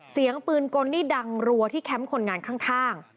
เสียงปืนกลนี่ดังรัวที่แคมป์คนงานข้าง